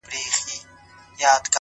شېخ سره وښورېدی زموږ ومخته کم راغی’